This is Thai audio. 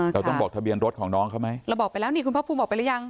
เราต้องบอกทะเบียนรถของน้องเขาไหมเราบอกไปแล้วนี่คุณภาคภูมิบอกไปหรือยัง